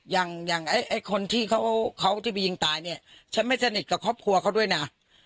อย่างอย่างไอ้คนที่เขาที่ไปยิงตายเนี่ยฉันไม่สนิทกับครอบครัวเขาด้วยนะ